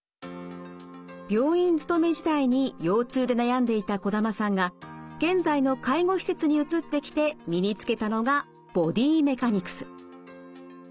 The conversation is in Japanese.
病院勤め時代に腰痛で悩んでいた児玉さんが現在の介護施設に移ってきて身につけたのがボディメカニクス。